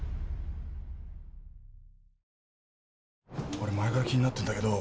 俺前から気になってんだけど。